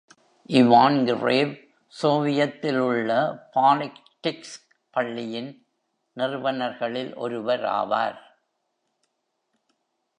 Ivan கிரேவ், சோவியத்தில் உள்ள பாலிஸ்டிக்ஸ் பள்ளியின் நிறுவனர்களில் ஒருவர் ஆவார்.